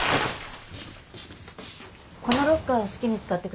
このロッカーを好きに使って下さい。